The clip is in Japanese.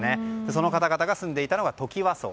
その方々が住んでいたのがトキワ荘。